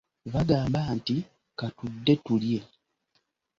Bagamba nti, katudde tulye.